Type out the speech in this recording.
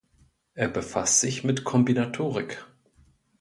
Er befasst sich mit Kombinatorik.